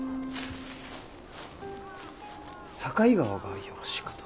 境川がよろしいかと。